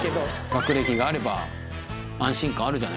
学歴があれば安心感あるじゃないですか。